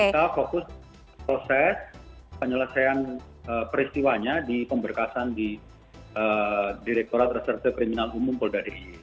kita fokus proses penyelesaian peristiwanya di pemberkasan di direkturat reserse kriminal umum polda d i e